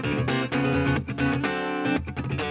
แล้วจะเคยรับมาด้วย